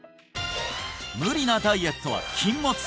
無理なダイエットは禁物！